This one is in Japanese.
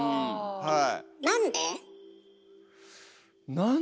はい。